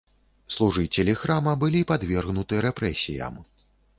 Служыцелі храма былі падвергнуты рэпрэсіям.